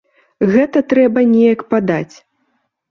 Гэта трэба неяк падаць.